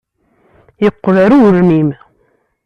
Yeqqel ɣer ugelmim.